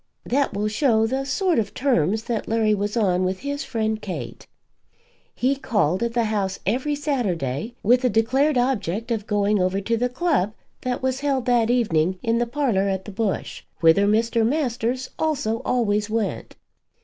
That will show the sort of terms that Larry was on with his friend Kate. He called at the house every Saturday with the declared object of going over to the club that was held that evening in the parlour at the Bush, whither Mr. Masters also always went.